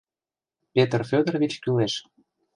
Петр Федорович кӱлеш.